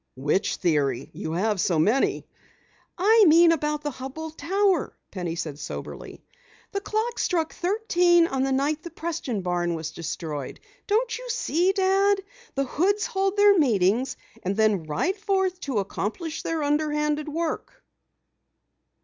"Which theory? You have so many." "I mean about the Hubell Tower," Penny said soberly. "The clock struck thirteen on the night the Preston barn was destroyed! Don't you see, Dad? The Hoods hold their meetings and then ride forth to accomplish their underhanded work!"